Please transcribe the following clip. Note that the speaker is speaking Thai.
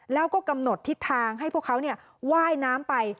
แล้วก็กำหนดทิศทางให้พวกเขาว่ายน้ำไป